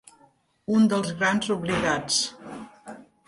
Un dels grans oblidats.